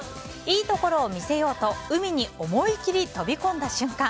いいところを見せようと海に思いきり飛び込んだ瞬間